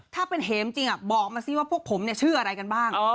ถ้าเป็นเหมจริงบอกมาสิว่าพวกผมเนี่ยชื่ออะไรกันบ้าง